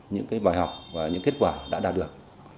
những bài học và những kết quả đã đạt được